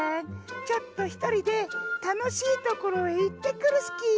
ちょっとひとりでたのしいところへいってくるスキー。